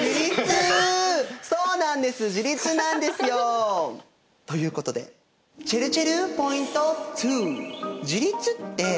そうなんです自立なんですよ。ということでちぇるちぇるポイント２。